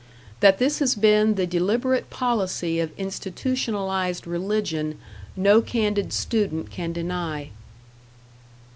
That this has been the deliberate policy of institutionalized Religion no candid student can deny.